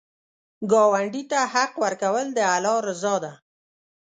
ګاونډي ته حق ورکول، د الله رضا ده